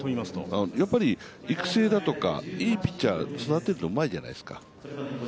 やっぱり育成だとか、いいピッチャーを育てるのがうまいじゃないですか。